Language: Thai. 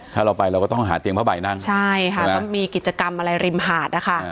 ถ้าเราไปเราก็ต้องหาเตียงผ้าใบนั่งใช่ค่ะต้องมีกิจกรรมอะไรริมหาดนะคะ